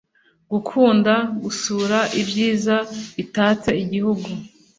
gukunda gusura ibyiza bitatse igihugu